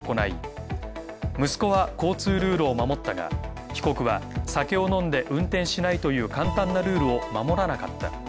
死亡した児童の父親が意見陳述を行い、「息子は交通ルールを守ったが、被告は酒を飲んで運転しないという簡単なルールを守らなかった。